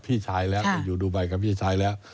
ไปดูใบกับพี่ชายแล้ว